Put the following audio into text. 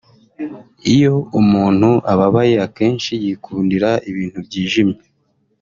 Iyo umuntu ababaye akenshi yikundira ibintu byijimye